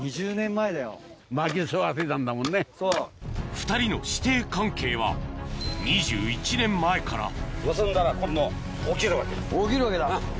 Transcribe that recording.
２人の師弟関係は２１年前から結んだら今度起きるわけ。